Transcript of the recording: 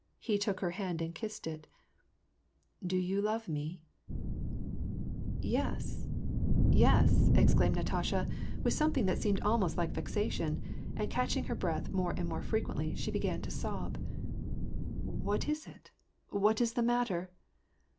He took her hand, and kissed it :" Do jou love me ?"'' Yes, yes," exclaimed Natasha, with something that seemed almost like vexation ; and, catchiiig her breath more and more frequently, she began to sob. « \Vhat is it ? What is the matter